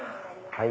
はい。